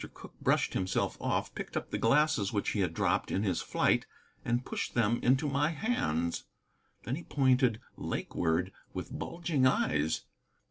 Cooke brushed himself off, picked up the glasses which he had dropped in his flight and pushed them into my hands. Then he pointed lakeward with bulging eyes.